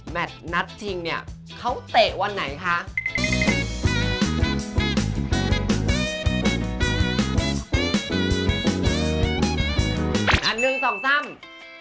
แมทนัดเชียงเขาเตะวันไหนครับ